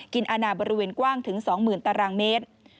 อาณาบริเวณกว้างถึง๒๐๐๐ตารางเมตร